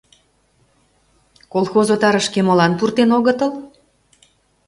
— Колхоз отарышке молан пуртен огытыл?